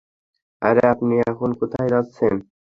আরে আপনি এখন কোথায় যাচ্ছেন?